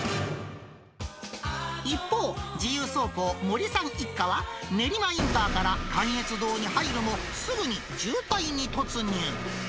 一方、自由走行、森さん一家は、練馬インターから関越道に入るも、すぐに渋滞に突入。